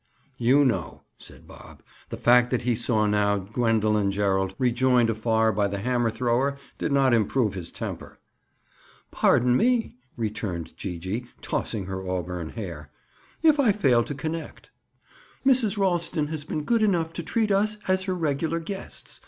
"You know," said Bob. The fact that he now saw Gwendoline Gerald rejoined afar by the hammer thrower did not improve his temper. "Pardon me," returned Gee gee, tossing her auburn hair, "if I fail to connect. Mrs. Ralston has been good enough to treat us as her regular guests.